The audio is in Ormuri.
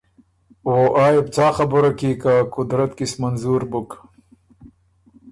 او آ يې بو څا خبُره کی که قدرت کی سو منظور بُک۔